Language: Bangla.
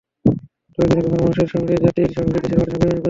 তবে তিনি কখনো মানুষের সঙ্গে, জাতির সঙ্গে, দেশের মাটির সঙ্গে বেইমানি করেননি।